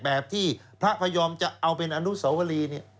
แบบที่พระพยอมจะเอาเป็นอนุสวรีเนี่ย